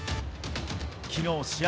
きのう試合